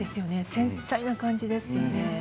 繊細な感じですよね。